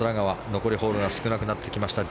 残りホールが少なくなってきました。